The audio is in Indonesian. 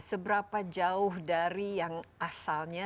seberapa jauh dari yang asalnya